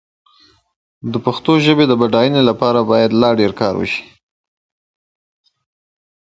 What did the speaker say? Their presence served as a deterrent in the escalating crisis.